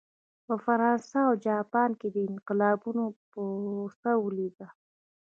په فرانسه او جاپان کې د انقلابونو پروسه ولیده.